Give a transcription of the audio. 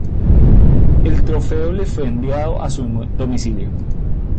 El trofeo le fue enviado a su domicilio.